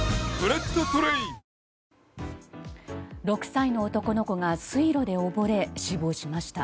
６歳の男の子が水路で溺れ死亡しました。